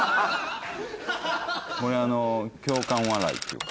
これ共感笑いっていうか。